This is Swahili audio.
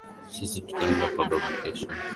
Sisi tutaenda kwa babu kesho